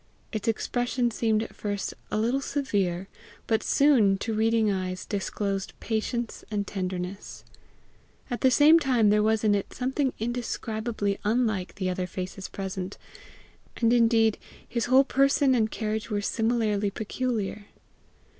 Its expression seemed at first a little severe, but soon, to reading eyes, disclosed patience and tenderness. At the same time there was in it a something indescribably unlike the other faces present and indeed his whole person and carriage were similarly peculiar.